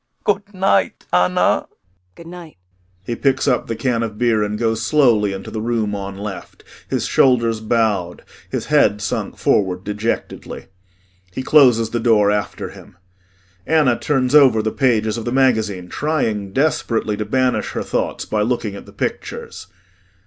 Good night, Anna. ANNA Good night. [He picks up the can of beer and goes slowly into the room on left, his shoulders bowed, his head sunk forward dejectedly. He closes the door after him. ANNA turns over the pages of the magazine, trying desperately to banish her thoughts by looking at the pictures.